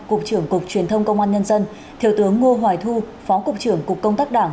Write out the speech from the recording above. cục trưởng cục truyền thông công an nhân dân thiếu tướng ngô hoài thu phó cục trưởng cục công tác đảng